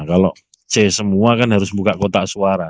kalau c semua kan harus buka kotak suara